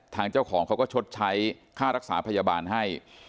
ทางเจ้าของเขาก็ชดใช้ค่ารักษาพยาบาลให้